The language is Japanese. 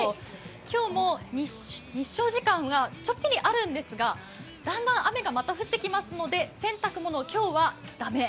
今日も日照時間がちょっぴりあるんですが、だんだん雨がまた降ってきますので洗濯物、今日はダメ。